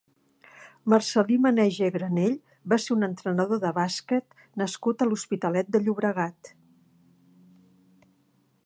Marcel·lí Maneja i Granell va ser un entrenador de bàsquet nascut a l'Hospitalet de Llobregat.